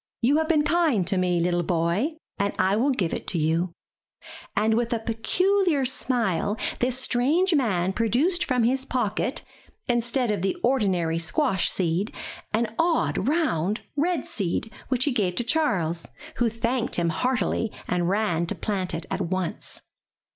You have been kind to me, little boy, and I will give it to you," and with a peculiar smile, this strange man produced from his pocket, instead of the ordinary squash seed, an odd, round, red seed which he gave to Charles, who thanked him heartily, and ran to plant it at once.